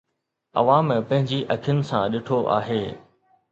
عوام پنهنجي اکين سان ڏٺو آهي.